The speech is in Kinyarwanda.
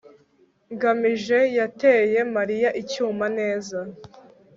ngamije yateye mariya icyuma. neza